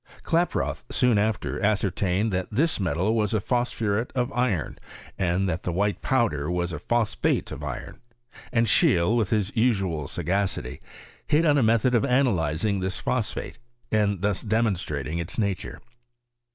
VOL. II. E KlaprotU soon after ascertained that this metal was a phosphuret of iron, and that the white powder WOE a phosphate of iron : and Scheele, with hi> usual sagacity, hit on a method of analyzing thii phosphate, and thus demonstrating its nature.